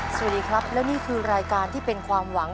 สวัสดีครับและนี่คือรายการที่เป็นความหวัง